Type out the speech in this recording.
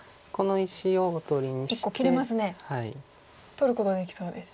取ることできそうです。